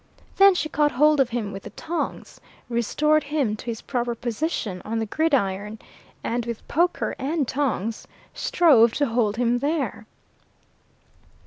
Then she caught hold of him with the tongs, restored him to his proper position on the gridiron, and with poker and tongs strove to hold him there.